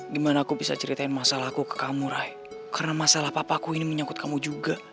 gimana aku bisa ceritain masalah aku ke kamu rai karena masalah papaku ini menyangkut kamu juga